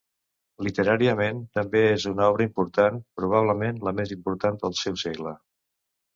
Literàriament, també és una obra important, probablement la més important del seu segle.